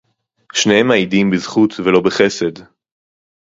שְׁנֵיהֶם מְעִידִים בִּזְכוּת וְלֹא בְּחֶסֶד.